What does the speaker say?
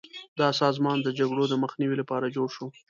دا سازمان د جګړو د مخنیوي لپاره جوړ شو.